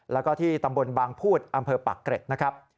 แล้วก็ที่ตำบลบางพูดอำเภอปากเกร็ดนะครับ